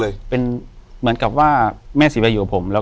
อยู่ที่แม่ศรีวิรัยิลครับ